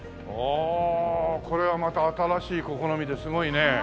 おおこれはまた新しい試みですごいね。